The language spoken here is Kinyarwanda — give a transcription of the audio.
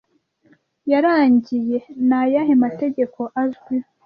yarangiye nayahe mategeko azwi